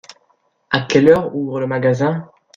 À quelle heure ouvre le magasin ?